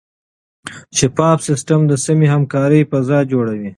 شفاف سیستم د سمې همکارۍ فضا جوړوي.